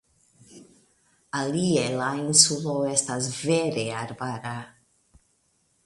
Alie la insulo estas vere arbara.